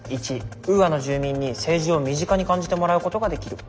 １ウーアの住民に政治を身近に感じてもらうことができる。